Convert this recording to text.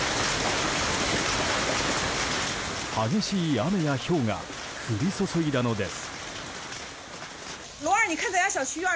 激しい雨やひょうが降り注いだのです。